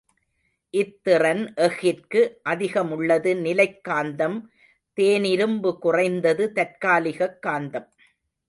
இத்திறன் எஃகிற்கு அதிகமுள்ளது நிலைக் காந்தம் தேனிரும்பு குறைந்தது தற்காலிகக் காந்தம்.